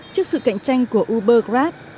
trước sự cạnh tranh của uber grab